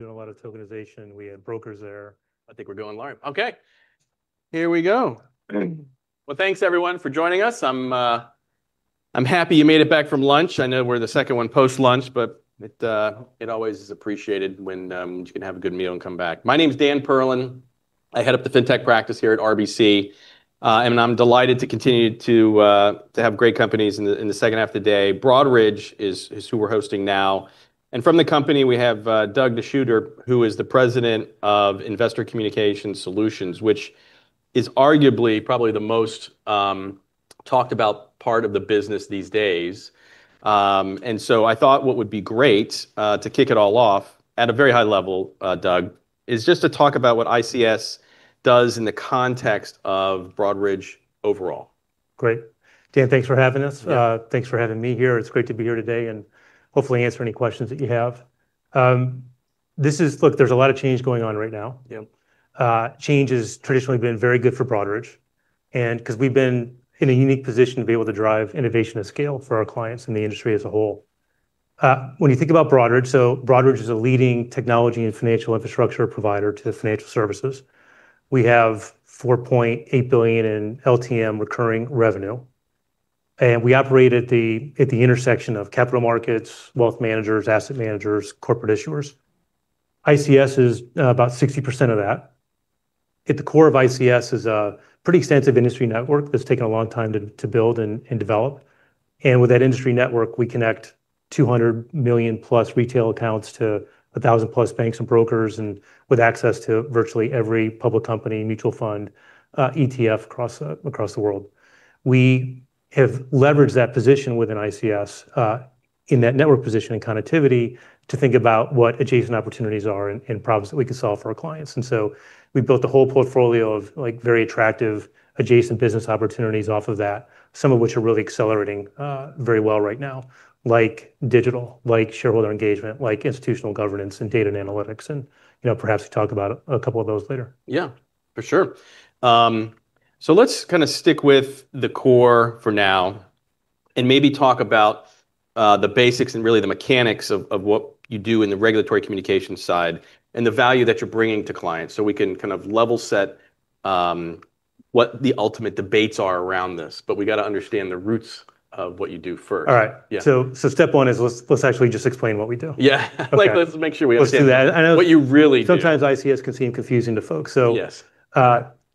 I think we're going live. Okay. Here we go. Well, thanks everyone for joining us. I'm happy you made it back from lunch. I know we're the second one post-lunch, but it always is appreciated when you can have a good meal and come back. My name's Dan Perlin. I head up the fintech practice here at RBC. I'm delighted to continue to have great companies in the second half of the day. Broadridge is who we're hosting now. From the company, we have Doug DeSchutter, who is the President of Investor Communication Solutions, which is arguably probably the most talked about part of the business these days. I thought what would be great to kick it all off at a very high level, Doug, is just to talk about what ICS does in the context of Broadridge overall. Great. Dan, thanks for having us. Thanks for having me here. It's great to be here today, and hopefully answer any questions that you have. Look, there's a lot of change going on right now. Change has traditionally been very good for Broadridge, because we've been in a unique position to be able to drive innovation at scale for our clients and the industry as a whole. When you think about Broadridge is a leading technology and financial infrastructure provider to financial services. We have $4.8 billion in LTM recurring revenue, and we operate at the intersection of capital markets, wealth managers, asset managers, corporate issuers. ICS is about 60% of that. At the core of ICS is a pretty extensive industry network that's taken a long time to build and develop. With that industry network, we connect 200 million plus retail accounts to 1,000+ banks and brokers, and with access to virtually every public company, mutual fund, ETF across the world. We have leveraged that position within ICS, in that network position and connectivity, to think about what adjacent opportunities are and problems that we can solve for our clients. We've built a whole portfolio of very attractive adjacent business opportunities off of that, some of which are really accelerating very well right now. Like digital, like shareholder engagement, like institutional governance, and data and analytics. Perhaps we'll talk about a couple of those later. Yeah. For sure. Let's kind of stick with the core for now and maybe talk about the basics and really the mechanics of what you do in the regulatory communications side and the value that you're bringing to clients, so we can level set what the ultimate debates are around this. We got to understand the roots of what you do first. All right. Step one is let's actually just explain what we do. Yeah. Let's make sure we understand. Let's do that. What you really do. Sometimes ICS can seem confusing to folks. Yes.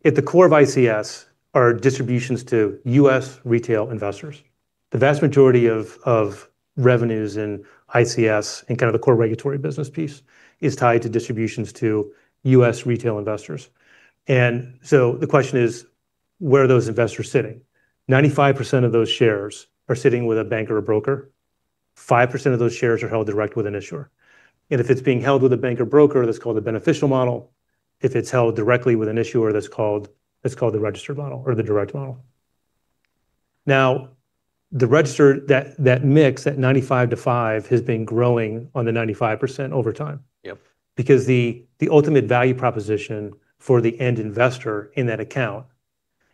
At the core of ICS are distributions to U.S. retail investors. The vast majority of revenues in ICS, in kind of the core regulatory business piece, is tied to distributions to U.S. retail investors. The question is, where are those investors sitting? 95% of those shares are sitting with a bank or a broker, 5% of those shares are held direct with an issuer. If it's being held with a bank or broker, that's called a beneficial model. If it's held directly with an issuer, that's called the registered model or the direct model. That mix at 95:5 has been growing on the 95% over time. The ultimate value proposition for the end investor in that account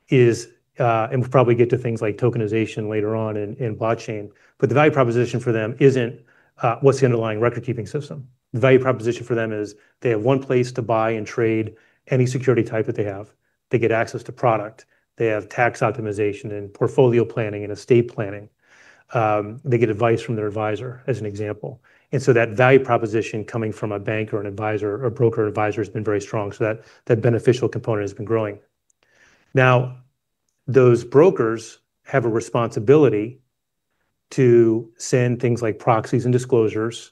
is, and we'll probably get to things like tokenization later on and blockchain, but the value proposition for them isn't what's the underlying record keeping system. The value proposition for them is they have one place to buy and trade any security type that they have. They get access to product. They have tax optimization and portfolio planning and estate planning. They get advice from their advisor, as an example. That value proposition coming from a bank or an advisor or broker advisor has been very strong. That beneficial component has been growing. Those brokers have a responsibility to send things like proxies and disclosures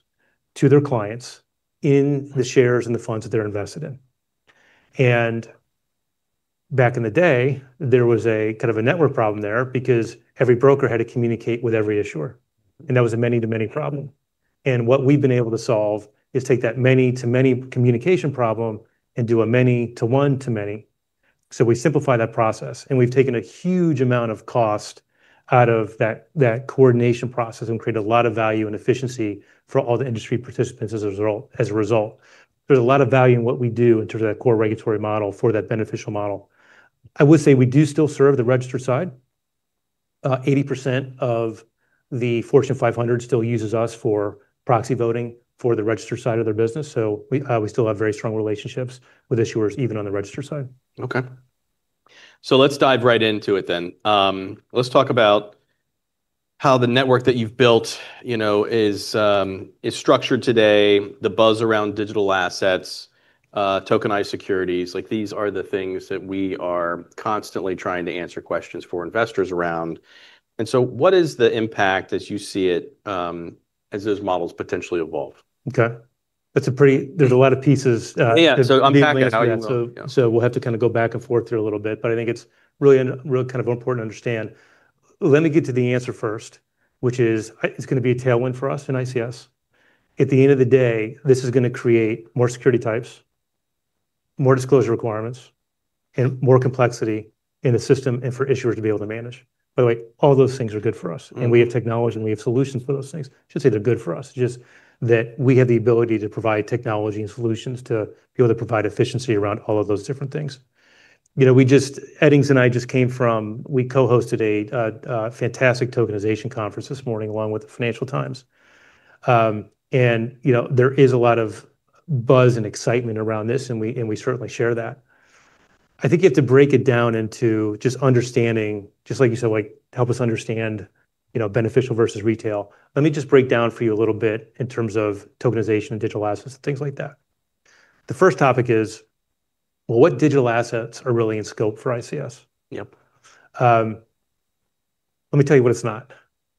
to their clients in the shares and the funds that they're invested in. Back in the day, there was a kind of a network problem there because every broker had to communicate with every issuer, and that was a many-to-many problem. What we've been able to solve is take that many-to-many communication problem and do a many-to-one-to-many. We simplify that process, and we've taken a huge amount of cost out of that coordination process and created a lot of value and efficiency for all the industry participants as a result. There's a lot of value in what we do in terms of that core regulatory model for that beneficial model. I would say we do still serve the registered side. 80% of the Fortune 500 still uses us for proxy voting for the registered side of their business. We still have very strong relationships with issuers, even on the registered side. Okay. Let's dive right into it then. Let's talk about how the network that you've built is structured today, the buzz around digital assets, tokenized securities. These are the things that we are constantly trying to answer questions for investors around. What is the impact as you see it as those models potentially evolve? Okay. There's a lot of pieces- Yeah. Unpack that how you will. Yeah We'll have to kind of go back and forth here a little bit, but I think it's really kind of important to understand. Let me get to the answer first, which is it's going to be a tailwind for us in ICS. At the end of the day, this is going to create more security types, more disclosure requirements, and more complexity in the system and for issuers to be able to manage. By the way, all those things are good for us. We have technology and we have solutions for those things. I shouldn't say they're good for us, just that we have the ability to provide technology and solutions to be able to provide efficiency around all of those different things. Edings and I just came from, we co-hosted a fantastic tokenization conference this morning, along with the Financial Times. There is a lot of buzz and excitement around this, and we certainly share that. I think you have to break it down into just understanding, just like you said, help us understand beneficial versus retail. Let me just break down for you a little bit in terms of tokenization and digital assets and things like that. The first topic is, well, what digital assets are really in scope for ICS? Let me tell you what it's not.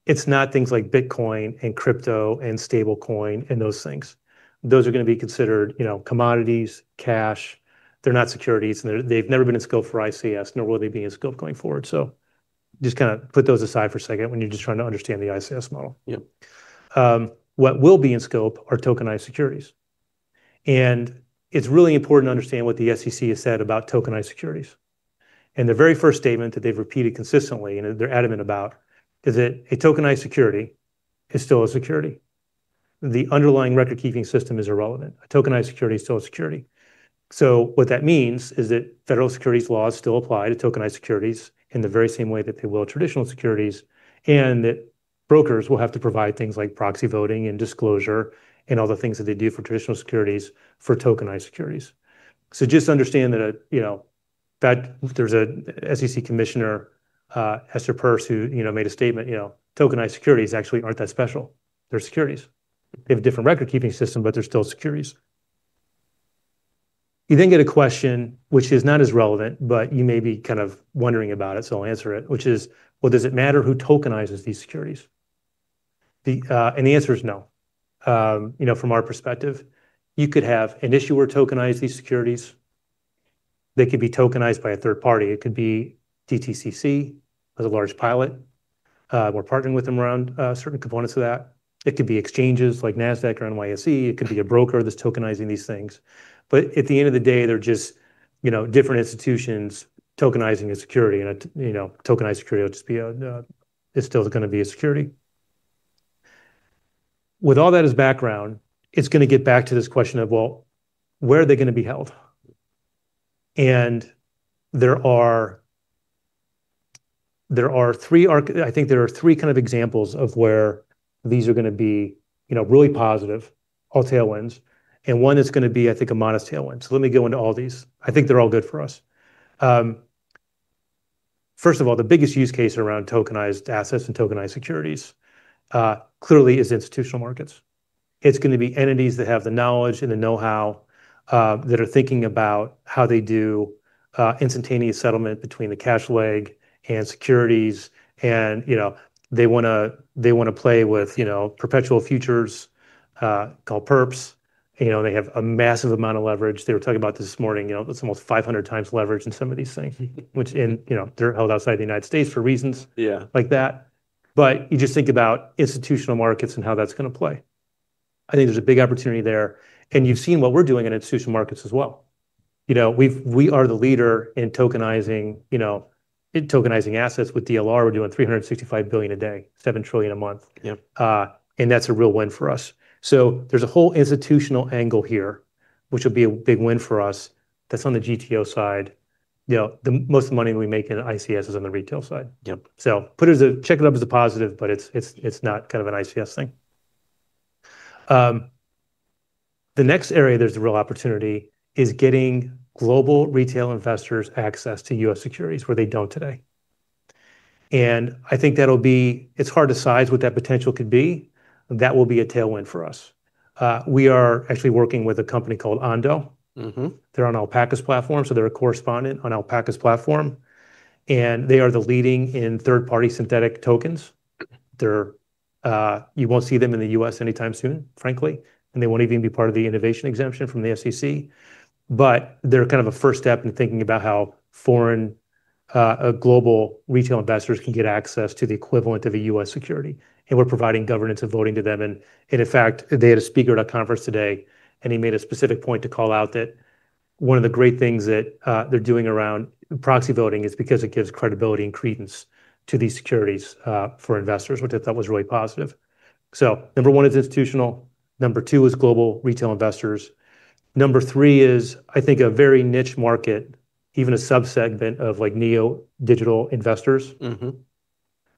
It's not things like Bitcoin and crypto and stablecoin and those things. Those are going to be considered commodities, cash. They're not securities, and they've never been in scope for ICS, nor will they be in scope going forward. Just kind of put those aside for a second when you're just trying to understand the ICS model. What will be in scope are tokenized securities. It's really important to understand what the SEC has said about tokenized securities. The very first statement that they've repeated consistently, and they're adamant about, is that a tokenized security is still a security. The underlying record-keeping system is irrelevant. A tokenized security is still a security. What that means is that federal securities laws still apply to tokenized securities in the very same way that they will traditional securities, and that brokers will have to provide things like proxy voting and disclosure and all the things that they do for traditional securities, for tokenized securities. Just understand that there's an SEC commissioner, Hester Peirce, who made a statement, "Tokenized securities actually aren't that special. They're securities." They have a different record-keeping system, but they're still securities. You get a question which is not as relevant, but you may be kind of wondering about it, so I'll answer it, which is, well, does it matter who tokenizes these securities? The answer is no. From our perspective, you could have an issuer tokenize these securities. They could be tokenized by a third party. It could be DTCC, who has a large pilot. We're partnering with them around certain components of that. It could be exchanges like Nasdaq or NYSE. It could be a broker that's tokenizing these things. At the end of the day, they're just different institutions tokenizing a security. A tokenized security is still going to be a security. With all that as background, it's going to get back to this question of, well, where are they going to be held? I think there are three kind of examples of where these are going to be really positive, all tailwinds, and one is going to be, I think, a modest tailwind. Let me go into all these. I think they're all good for us. First of all, the biggest use case around tokenized assets and tokenized securities, clearly is institutional markets. It's going to be entities that have the knowledge and the know-how, that are thinking about how they do instantaneous settlement between the cash leg and securities, and they want to play with perpetual futures, called perps. They have a massive amount of leverage. They were talking about this this morning. It's almost 500x leverage in some of these things. Which they're held outside the U.S. for reasons like that. You just think about institutional markets and how that's going to play. I think there's a big opportunity there, and you've seen what we're doing in institutional markets as well. We are the leader in tokenizing assets with DLR. We're doing $365 billion a day, $7 trillion a month. That's a real win for us. There's a whole institutional angle here, which will be a big win for us. That's on the GTO side. Most of the money we make in ICS is on the retail side. Check it up as a positive, but it's not kind of an ICS thing. The next area there's a real opportunity is getting global retail investors access to U.S. securities where they don't today. I think it's hard to size what that potential could be. That will be a tailwind for us. We are actually working with a company called Ondo. They're on Alpaca's platform, so they're a correspondent on Alpaca's platform, and they are the leading in third-party synthetic tokens. You won't see them in the U.S. anytime soon, frankly, and they won't even be part of the innovation exemption from the SEC, but they're kind of a first step in thinking about how foreign global retail investors can get access to the equivalent of a U.S. security, and we're providing governance and voting to them. In fact, they had a speaker at a conference today, and he made a specific point to call out that one of the great things that they're doing around proxy voting is because it gives credibility and credence to these securities for investors, which I thought was really positive. Number one is institutional, number two is global retail investors. Number three is, I think, a very niche market, even a sub-segment of neo-digital investors.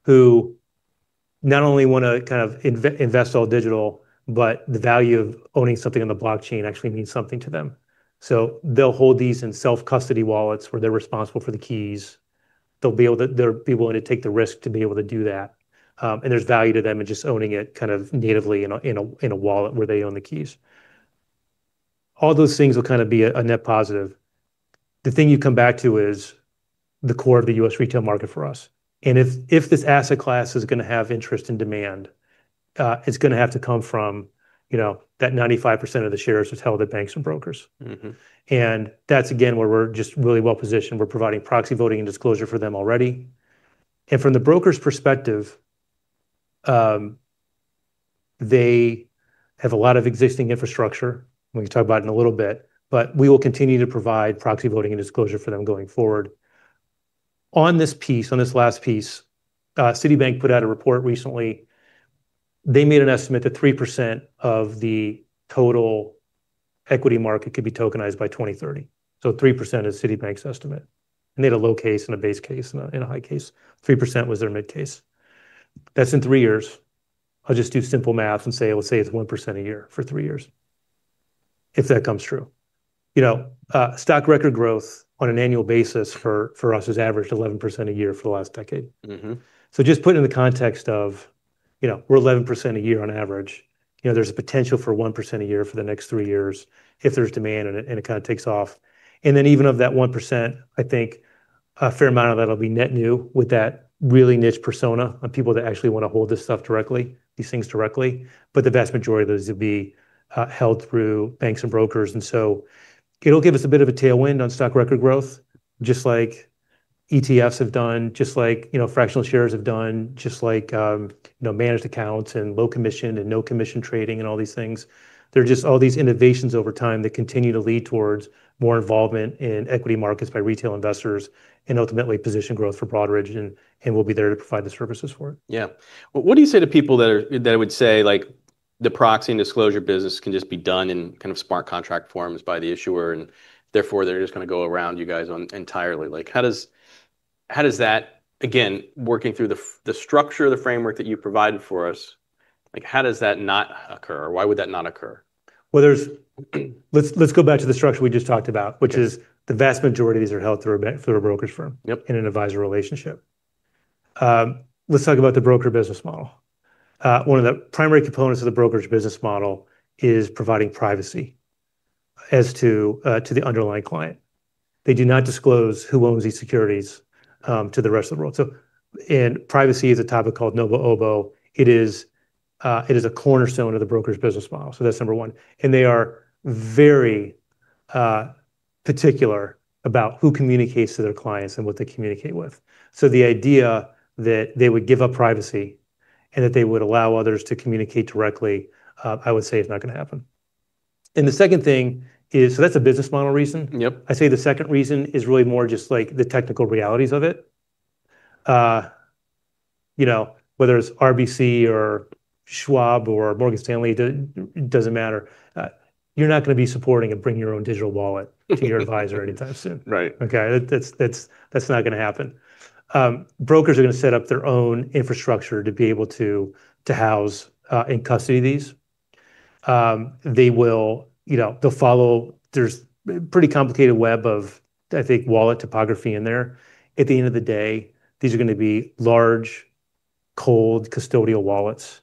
Who not only want to kind of invest all digital, but the value of owning something on the blockchain actually means something to them. They'll hold these in self-custody wallets where they're responsible for the keys. They'll be willing to take the risk to be able to do that, and there's value to them in just owning it kind of natively in a wallet where they own the keys. All those things will kind of be a net positive. The thing you come back to is the core of the U.S. retail market for us, and if this asset class is going to have interest and demand, it's going to have to come from that 95% of the shares which is held at banks and brokers. That's again, where we're just really well-positioned. We're providing proxy voting and disclosure for them already. From the broker's perspective, they have a lot of existing infrastructure. We can talk about it in a little bit, but we will continue to provide proxy voting and disclosure for them going forward. On this piece, on this last piece, Citibank put out a report recently. They made an estimate that 3% of the total equity market could be tokenized by 2030. 3% is Citibank's estimate, and they had a low case and a base case and a high case. 3% was their mid case. That's in three years. I'll just do simple math and say, let's say it's 1% a year for three years, if that comes true. Stock record growth on an annual basis for us has averaged 11% a year for the last decade. Just put it in the context of we're 11% a year on average. There's a potential for 1% a year for the next three years if there's demand and it kind of takes off. Even of that 1%, I think a fair amount of that'll be net new with that really niche persona of people that actually want to hold this stuff directly, these things directly. The vast majority of those will be held through banks and brokers. It'll give us a bit of a tailwind on stock record growth, just like ETFs have done, just like fractional shares have done, just like managed accounts and low commission and no commission trading and all these things. They're just all these innovations over time that continue to lead towards more involvement in equity markets by retail investors, and ultimately position growth for Broadridge, and we'll be there to provide the services for it. Yeah. What do you say to people that would say the proxy and disclosure business can just be done in kind of smart contract forms by the issuer, they're just going to go around you guys entirely. How does that, again, working through the structure of the framework that you provided for us, how does that not occur? Why would that not occur? Let's go back to the structure we just talked about, which is the vast majority of these are held through a brokerage firm in an advisor relationship. Let's talk about the broker business model. One of the primary components of the brokerage business model is providing privacy as to the underlying client. They do not disclose who owns these securities to the rest of the world. Privacy is a topic called NOBO/OBO. It is a cornerstone of the brokerage business model. That's number one. They are very particular about who communicates to their clients and what they communicate with. The idea that they would give up privacy, and that they would allow others to communicate directly, I would say is not going to happen. The second thing is, that's a business model reason. I say the second reason is really more just like the technical realities of it. Whether it's RBC or Schwab or Morgan Stanley, it doesn't matter. You're not going to be supporting a bring your own digital wallet to your advisor anytime soon. Right. Okay? That's not going to happen. Brokers are going to set up their own infrastructure to be able to house and custody these. There's pretty complicated web of, I think, wallet topography in there. At the end of the day, these are going to be large, cold, custodial wallets,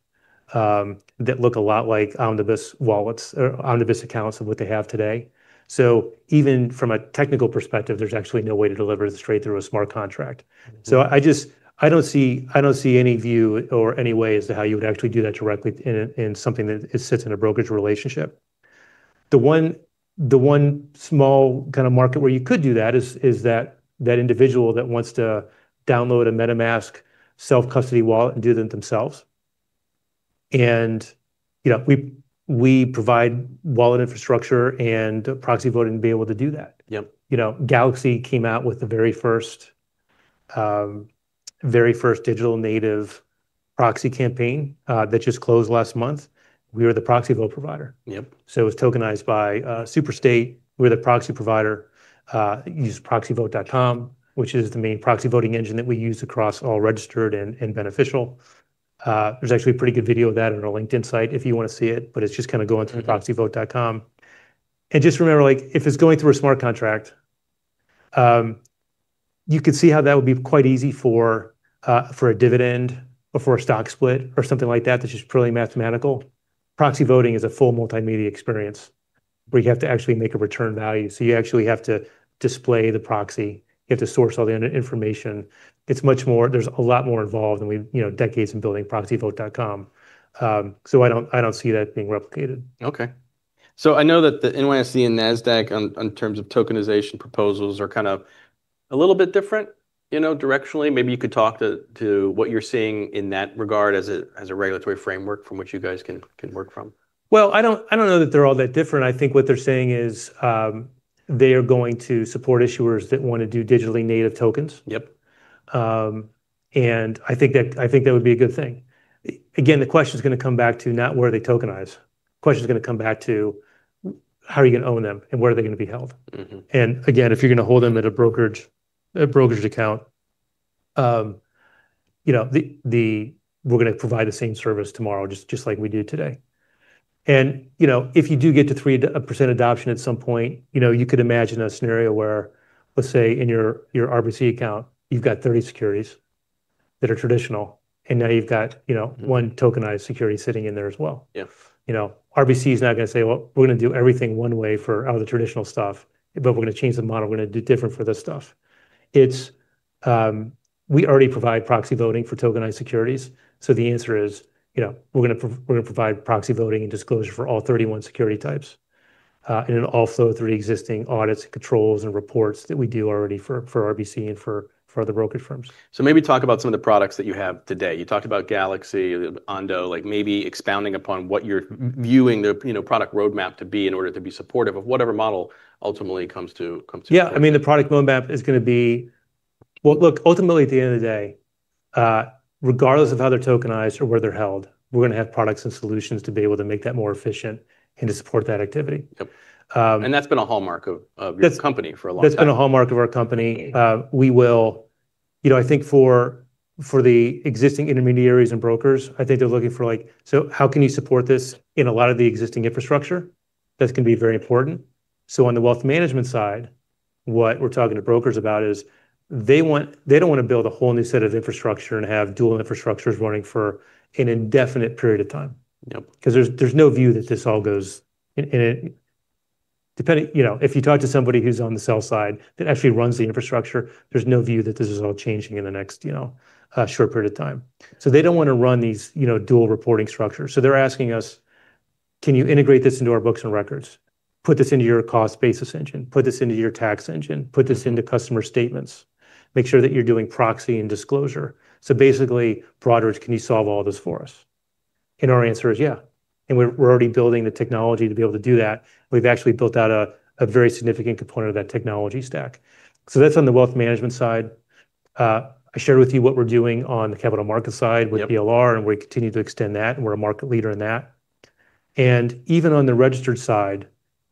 that look a lot like omnibus wallets or omnibus accounts of what they have today. Even from a technical perspective, there's actually no way to deliver this straight through a smart contract. I don't see any view or any way as to how you would actually do that directly in something that sits in a brokerage relationship. The one small kind of market where you could do that is that individual that wants to download a MetaMask self-custody wallet and do that themselves. We provide wallet infrastructure and proxy voting to be able to do that. Galaxy Digital came out with the very first digital native proxy campaign, that just closed last month. We were the proxy vote provider. It was tokenized by Superstate. We're the proxy provider, use ProxyVote.com, which is the main proxy voting engine that we use across all registered and beneficial. There's actually a pretty good video of that on our LinkedIn site if you want to see it, but it's just kind of going through ProxyVote.com. Just remember, if it's going through a smart contract, you could see how that would be quite easy for a dividend or for a stock split or something like that's just purely mathematical. Proxy voting is a full multimedia experience where you have to actually make a return value. You actually have to display the proxy, you have to source all the information. There's a lot more involved than decades in building ProxyVote.com. I don't see that being replicated. Okay. I know that the NYSE and Nasdaq in terms of tokenization proposals are kind of a little bit different directionally. Maybe you could talk to what you're seeing in that regard as a regulatory framework from which you guys can work from. Well, I don't know that they're all that different. I think what they're saying is, they are going to support issuers that want to do digitally native tokens. I think that would be a good thing. The question's going to come back to not where they tokenize. The question's going to come back to how are you going to own them, and where are they going to be held? Again, if you're going to hold them at a brokerage account, we're going to provide the same service tomorrow, just like we do today. If you do get to 3% adoption at some point, you could imagine a scenario where, let's say, in your RBC account, you've got 30 securities that are traditional, and now you've got one tokenized security sitting in there as well. RBC's not going to say, "Well, we're going to do everything one way for all the traditional stuff, but we're going to change the model, we're going to do different for this stuff." We already provide proxy voting for tokenized securities. The answer is, we're going to provide proxy voting and disclosure for all 31 security types. Then also through existing audits and controls and reports that we do already for RBC and for other brokerage firms. Maybe talk about some of the products that you have today. You talked about Galaxy, Ondo, maybe expounding upon what you're viewing the product roadmap to be in order to be supportive of whatever model ultimately comes to place. Yeah. Ultimately at the end of the day, regardless of how they're tokenized or where they're held, we're going to have products and solutions to be able to make that more efficient and to support that activity. Yep. That's been a hallmark of your company for a long time. That's been a hallmark of our company. I think for the existing intermediaries and brokers, I think they're looking for, how can you support this in a lot of the existing infrastructure? That's going to be very important. On the wealth management side, what we're talking to brokers about is they don't want to build a whole new set of infrastructure and have dual infrastructures running for an indefinite period of time. If you talk to somebody who's on the sell side that actually runs the infrastructure, there's no view that this is all changing in the next short period of time. They don't want to run these dual reporting structures. They're asking us, "Can you integrate this into our books and records? Put this into your cost basis engine, put this into your tax engine, put this into customer statements. Make sure that you're doing proxy and disclosure." Basically, Broadridge, can you solve all this for us? Our answer is yeah. We're already building the technology to be able to do that. We've actually built out a very significant component of that technology stack. That's on the wealth management side. I shared with you what we're doing on the capital market side with DLR, we continue to extend that, we're a market leader in that. Even on the registered side,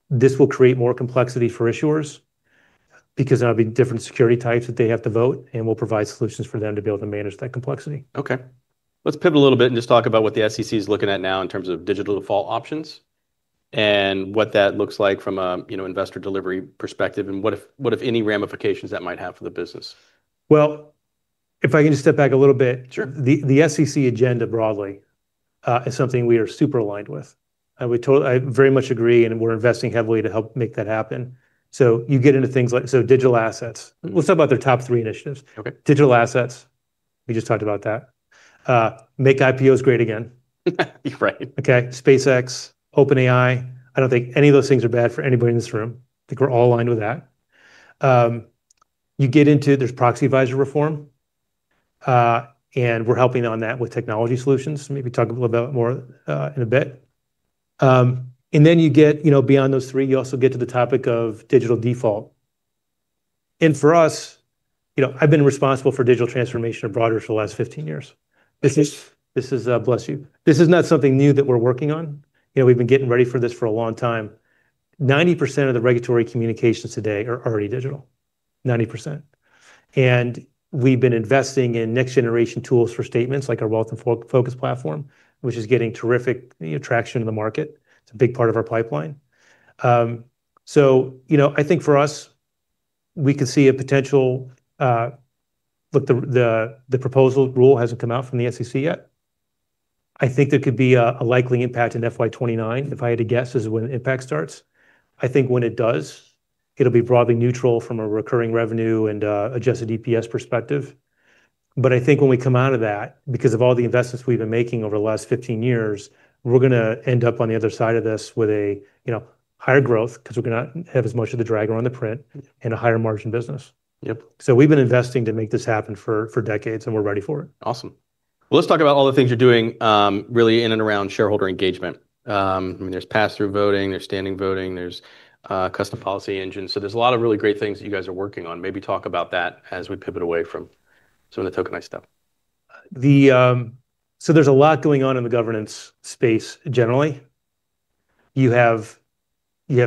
this will create more complexity for issuers because there will be different security types that they have to vote, we'll provide solutions for them to be able to manage that complexity. Okay. Let's pivot a little bit and just talk about what the SEC is looking at now in terms of digital default options and what that looks like from an investor delivery perspective, what, if any, ramifications that might have for the business. Well, if I can just step back a little bit. Sure. The SEC agenda broadly is something we are super aligned with, I very much agree, we're investing heavily to help make that happen. You get into things like digital assets. Let's talk about their top three initiatives. Okay. Digital assets, we just talked about that. Make IPOs great again. Right. SpaceX, OpenAI, I don't think any of those things are bad for anybody in this room. I think we're all aligned with that. There's proxy advisor reform, we're helping on that with technology solutions, maybe talk about more in a bit. You get beyond those three, you also get to the topic of digital default. For us, I've been responsible for digital transformation at Broadridge for the last 15 years. Bless you. This is not something new that we're working on. We've been getting ready for this for a long time. 90% of the regulatory communications today are already digital. 90%. We've been investing in next generation tools for statements like our Wealth InFocus platform, which is getting terrific traction in the market. It's a big part of our pipeline. I think for us, we could see a potential, the proposal rule hasn't come out from the SEC yet. I think there could be a likely impact in FY 2029, if I had to guess, is when an impact starts. I think when it does, it'll be broadly neutral from a recurring revenue and adjusted EPS perspective. I think when we come out of that, because of all the investments we've been making over the last 15 years, we're going to end up on the other side of this with a higher growth because we're going to have as much of the drag around the print and a higher margin business. We've been investing to make this happen for decades, we're ready for it. Awesome. Well, let's talk about all the things you're doing really in and around shareholder engagement. There's pass-through voting, there's standing voting, there's custom policy engines. There's a lot of really great things that you guys are working on. Maybe talk about that as we pivot away from some of the tokenized stuff. There's a lot going on in the governance space generally. You have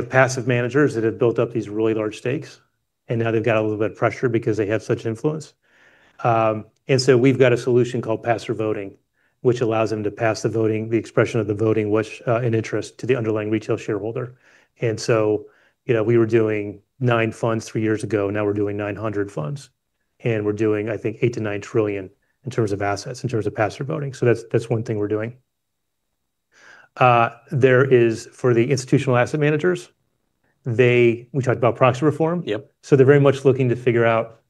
passive managers that have built up these really large stakes, and now they've got a little bit of pressure because they have such influence. We've got a solution called pass-through voting, which allows them to pass the expression of the voting which in interest to the underlying retail shareholder. We were doing nine funds three years ago, now we're doing 900 funds, and we're doing, I think, $8 trillion-$9 trillion in terms of assets, in terms of pass-through voting. That's one thing we're doing. For the institutional asset managers, we talked about proxy reform. They're very much looking to figure out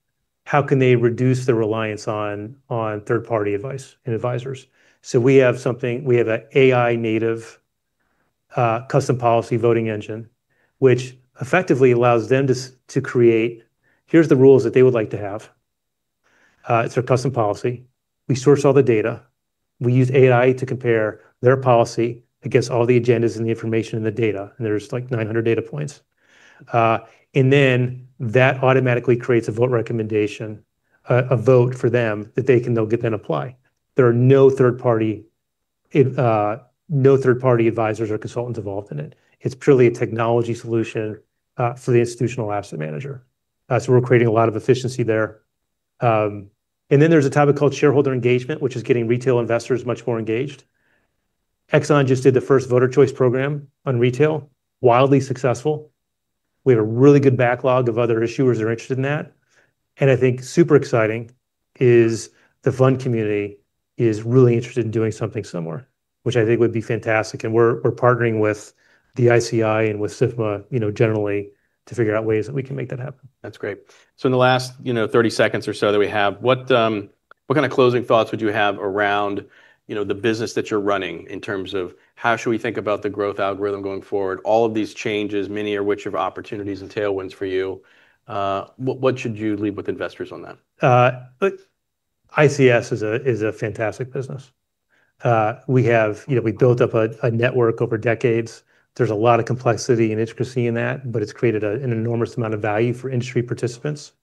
how can they reduce the reliance on third party advice and advisors. We have something, we have an AI native custom policy voting engine, which effectively allows them to create, here's the rules that they would like to have. It's their custom policy. We source all the data. We use AI to compare their policy against all the agendas and the information in the data, and there's like 900 data points. That automatically creates a vote recommendation, a vote for them that they can now get then apply. There are no third party advisors or consultants involved in it. It's purely a technology solution for the institutional asset manager. We're creating a lot of efficiency there. There's a topic called shareholder engagement, which is getting retail investors much more engaged. Exxon just did the first voter choice program on retail. Wildly successful. We have a really good backlog of other issuers that are interested in that. I think super exciting is the fund community is really interested in doing something similar, which I think would be fantastic. We're partnering with the ICI and with SIFMA generally to figure out ways that we can make that happen. That's great. In the last 30 seconds or so that we have, what kind of closing thoughts would you have around the business that you're running in terms of how should we think about the growth algorithm going forward? All of these changes, many of which have opportunities and tailwinds for you. What should you leave with investors on that? ICS is a fantastic business. We built up a network over decades. There's a lot of complexity and intricacy in that, but it's created an enormous amount of value for industry participants.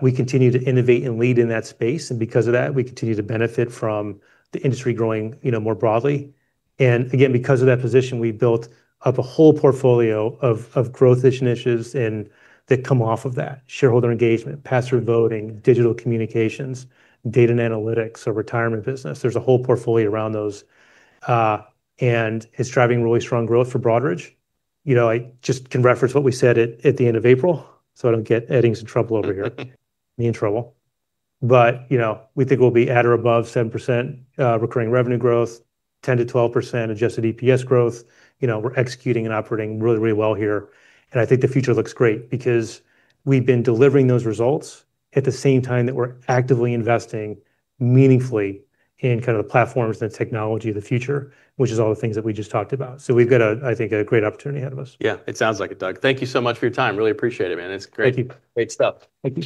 We continue to innovate and lead in that space, because of that, we continue to benefit from the industry growing more broadly. Again, because of that position, we built up a whole portfolio of growth initiatives that come off of that. Shareholder engagement, pass-through voting, digital communications, data and analytics, our retirement business. There's a whole portfolio around those, and it's driving really strong growth for Broadridge. I just can reference what we said at the end of April, so I don't get Edings in trouble over here. Me in trouble. We think we'll be at or above 7% recurring revenue growth, 10%-12% adjusted EPS growth. We're executing and operating really well here, and I think the future looks great because we've been delivering those results at the same time that we're actively investing meaningfully in the platforms and technology of the future, which is all the things that we just talked about. We've got a, I think, a great opportunity ahead of us. Yeah. It sounds like it, Doug. Thank you so much for your time. Really appreciate it, man. It's great. Thank you. Great stuff. Thank you.